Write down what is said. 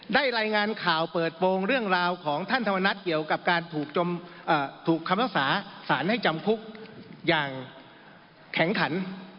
รายงานข่าวเปิดโปรงเรื่องราวของท่านธรรมนัฐเกี่ยวกับการถูกคำภาษาสารให้จำคุกอย่างแข็งขัน